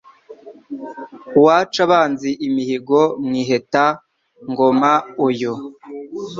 Uwaca abanzi imihigo Mwiheta-ngoma uyu